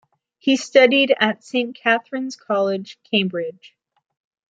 He studied at Saint Catharine's College, Cambridge.